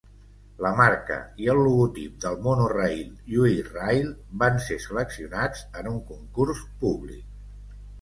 La marca i el logotip del monorail "Yui Rail" van ser seleccionats en un concurs públic.